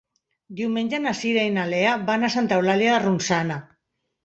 Diumenge na Cira i na Lea van a Santa Eulàlia de Ronçana.